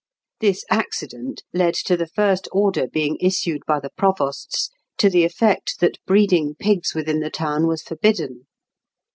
This accident led to the first order being issued by the provosts, to the effect that breeding pigs within the town was forbidden.